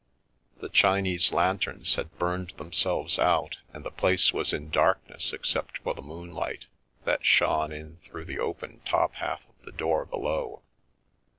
The Chinese lanterns had burned themselves out and the place was in darkness except for the moonlight that shone in through the open top half of the door below.